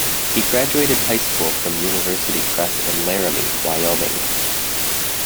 He graduated high school from University Prep in Laramie, Wyoming.